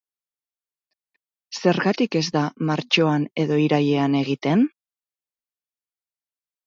Zergatik ez da martxoan edo irailean egiten?